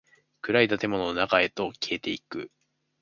暗い建物の中へと消えていく。